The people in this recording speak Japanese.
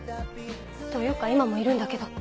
というか今もいるんだけど。